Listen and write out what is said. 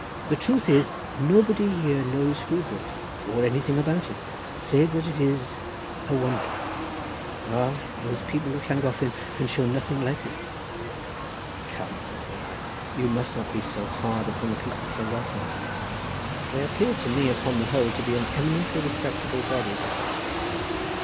The truth is, nobody here knows who built it, or anything about it, save that it is a wonder. Ah, those people of Llangollen can show nothing like it." "Come," said I, "you must not be so hard upon the people of Llangollen. They appear to me, upon the whole, to be an eminently respectable body."